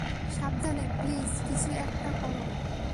সাবধানে প্লিজ কিছু একটা করো!